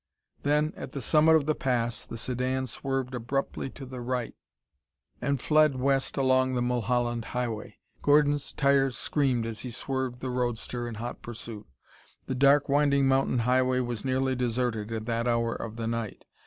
Then at the summit of the Pass the sedan swerved abruptly to the right and fled west along the Mulholland Highway. Gordon's tires screamed as he swerved the roadster in hot pursuit. The dark winding mountain highway was nearly deserted at that hour of the night.